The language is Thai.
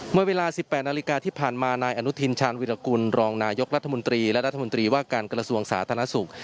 เมื่อเวลา๑๘นาฬิกาที่ผ่านมานายอนุทินชาญวิรากุลรองนายกรัฐมนตรีและรัฐมนตรีว่าการกระทรวงสาธารณสุข